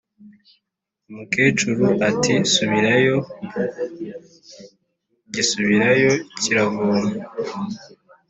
umukecuru ati: “subirayo”. gisubirayo kiravoma,